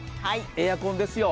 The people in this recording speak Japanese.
エアコンですよ。